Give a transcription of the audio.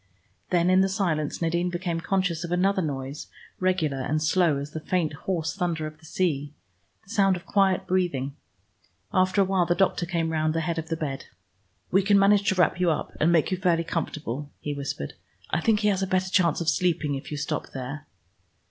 Then in the silence Nadine became conscious of another noise regular and slow as the faint hoarse thunder of the sea, the sound of quiet breathing. After a while the doctor came round the head of the bed. "We can manage to wrap you up, and make you fairly comfortable," he whispered. "I think he has a better chance of sleeping if you stop there."